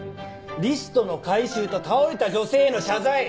リストの回収と倒れた女性への謝罪。